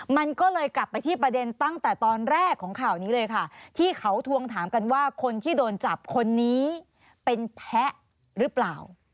มันก็เลยกลับไปที่ประเด็นตั้งแต่ตอนแรกของข่าวนี้เลยค่ะที่เขาทวงถามกันว่าคนที่โดนจับคนนี้เป็นแพ้หรือเปล่า